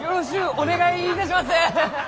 お願いいたします。